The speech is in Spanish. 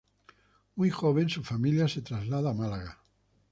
Muy joven su familia se traslada a Málaga.